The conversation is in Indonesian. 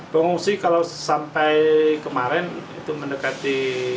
pengungsi kalau sampai kemarin itu mendekati lima ratus